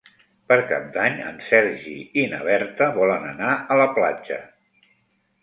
Per Cap d'Any en Sergi i na Berta volen anar a la platja.